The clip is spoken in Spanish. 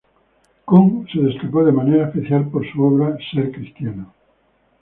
Küng se destacó de manera especial por su obra "Ser cristiano".